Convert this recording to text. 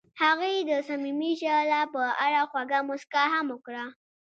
هغې د صمیمي شعله په اړه خوږه موسکا هم وکړه.